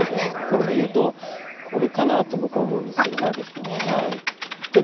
これでいうとこれかなと僕は思うんですけどね。